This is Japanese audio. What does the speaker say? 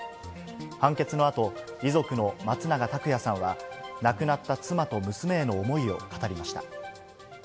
判決のあと、遺族の松永拓也さんは、亡くなった妻と娘への思いを語りました。